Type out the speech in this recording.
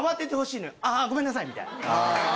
ごめんなさい！みたいな。